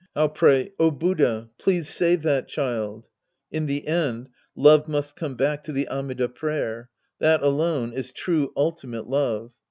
I'll pray, " Oh, Buddha, please save that child !" In the end, love must come back to the Anuda prayer. That alone is true ultimate love.